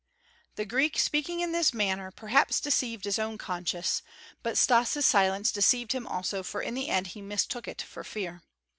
The Greek, speaking in this manner, perhaps deceived his own conscience, but Stas' silence deceived him also for in the end he mistook it for fear.